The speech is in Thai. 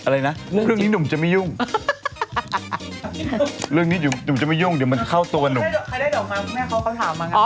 ใครได้ดอกไม้แม่ก็ถามมา